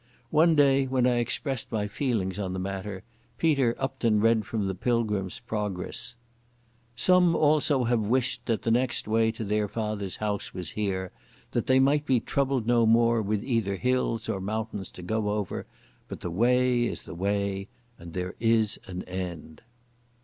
One day when I expressed my feelings on the matter, Peter upped and read from the Pilgrim's Progress: "Some also have wished that the next way to their Father's house were here, that they might be troubled no more with either hills or mountains to go over, but the Way is the Way, and there is an end."